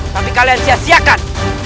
tapi kalian sia siakan